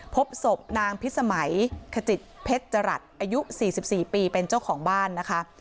พบศพนางพิสมัยขจิตเพชรจรัสอายุ๔๔ปีเป็นเจ้าของบ้านนะคะ